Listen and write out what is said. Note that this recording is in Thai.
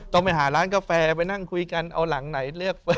ต้องไปหาร้านกาแฟนั่งคุยกันเอารังไหน